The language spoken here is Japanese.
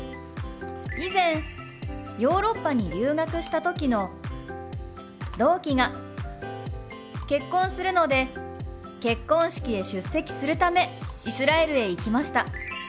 以前ヨーロッパに留学した時の同期が結婚するので結婚式へ出席するためイスラエルへ行きました。